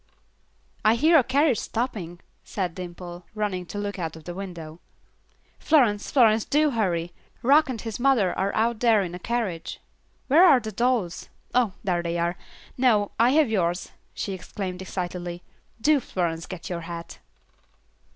"I hear a carriage stopping," said Dimple, running to look out of the window. "Florence, Florence, do hurry; Rock and his mother are out there in a carriage; where are the dolls? Oh, here they are. No, I have yours," she exclaimed, excitedly. "Do, Florence, get your hat."